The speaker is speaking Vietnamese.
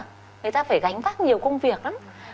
người ta phải gánh vác nhiều công việc lắm